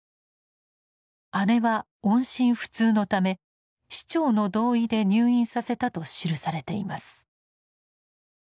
姉は音信不通のため市長の同意で入院させたと記されています。